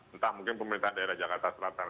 entah mungkin pemerintah daerah jakarta selatan